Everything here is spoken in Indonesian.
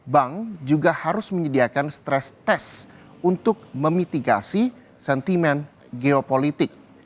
bank juga harus menyediakan stres tes untuk memitigasi sentimen geopolitik